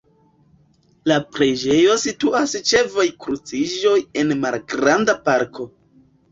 La preĝejo situas ĉe vojkruciĝo en malgranda parko.